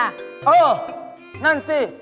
เออนั่นสิ